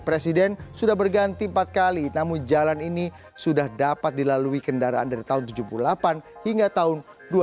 presiden sudah berganti empat kali namun jalan ini sudah dapat dilalui kendaraan dari tahun seribu sembilan ratus tujuh puluh delapan hingga tahun dua ribu dua